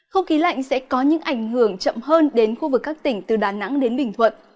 không khí lạnh sẽ có những ảnh hưởng chậm hơn đến khu vực các tỉnh từ đà nẵng đến bình thuận